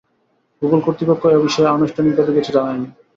Google কর্তৃপক্ষ এ বিষয়ে আনুষ্ঠানিকভাবে কিছু জানায়নি।